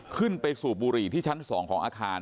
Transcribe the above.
ขึ้นไปสู่บุรีที่ชั้น๒ของอาคาร